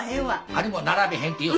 アリも並べへんって言う？